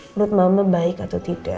menurut mama baik atau tidak